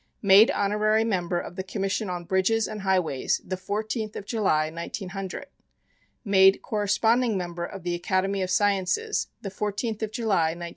Made Honorary Member of the Commission on Bridges and Highways the 14th of July, 1900. Made Corresponding Member of the Academy of Sciences, the 14th of July, 1901.